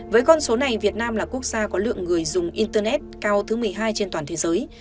với con số này việt nam là quốc gia có lượng người dùng internet cao thứ một mươi hai trên toàn thế giới